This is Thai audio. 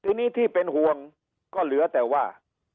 ทีนี้ที่เป็นห่วงก็เหลือแต่ว่า